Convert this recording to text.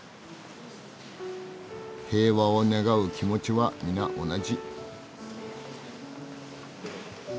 平和を願う気持ちは皆同じ。